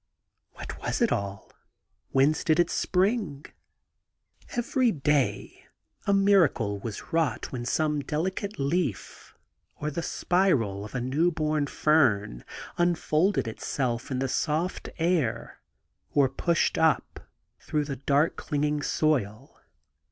What was it all ? Whence did it spring ? Every day a miracle was wrought when some delicate leaf, or the spiral of a new born fern, unfolded itself in the soft ah , or pushed up through the dark clinging soil.